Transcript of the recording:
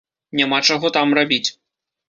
Няма чаго там рабіць.